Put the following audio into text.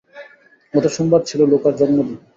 গত সোমবার ছিল লুকার জন্মদিন।